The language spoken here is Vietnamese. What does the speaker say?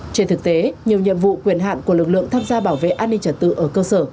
trên thực tế nhiều nhiệm vụ quyền hạn của lực lượng tham gia bảo vệ an ninh trật tự ở cơ sở